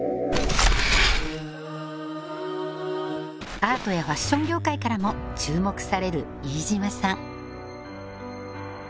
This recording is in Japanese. アートやファッション業界からも注目される飯島さん